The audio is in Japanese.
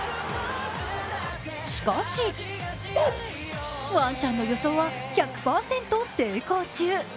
しかし、ワンちゃんの予想は１００％成功中。